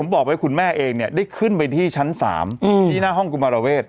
บอกให้คุณแม่เองเนี่ยได้ขึ้นไปที่ชั้น๓ที่หน้าห้องกุมารเวศ